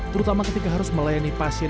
terutama ketika harus melayani pasien